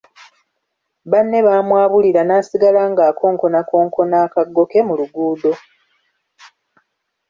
Banne baamwabulira; n'asigala ng'akonkonakonkona akaggo ke mu luguudo.